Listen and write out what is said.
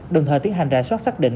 đồng thời tiến hành rải soát xác định